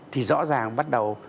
thì rõ ràng bắt đầu